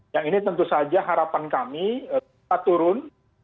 yang ini tentu saja harapan kami kita turun